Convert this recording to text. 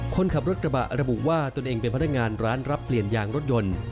คนขับรถกระบะระบุว่าตนเองเป็นพนักงานร้านรับเปลี่ยนยางรถยนต์